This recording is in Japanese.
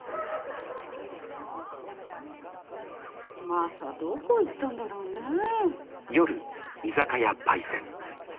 マサどこ行ったんだろうねえ。